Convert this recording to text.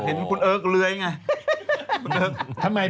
เปล่าเปล่าเปล่า